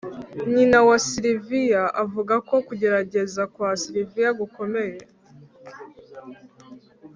nyina wa sylvia avuga ko kugerageza kwa sylvia gukomeye